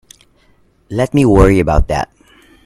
Let me worry about that.